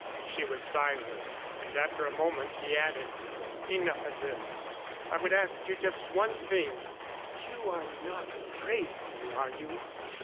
She was silent; and after a moment, he added: "Enough of this. I would ask you just one thing. You are not afraid of me, are you?"